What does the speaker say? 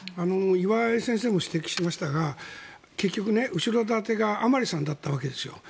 岩井先生も指摘していましたが結局、後ろ盾が甘利さんだったわけです。